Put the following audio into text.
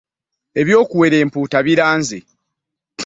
Eby'okuwera empuuta biraanze.